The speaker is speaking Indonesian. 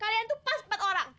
kalian itu pas empat orang